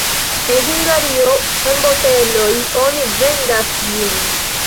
En Hungario en boteloj oni vendas ĝin.